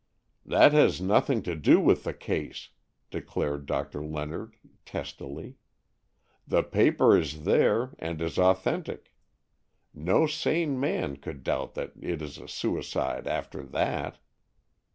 "That has nothing to do with the case," declared Doctor Leonard testily. "The paper is there, and is authentic. No sane man could doubt that it is a suicide after that."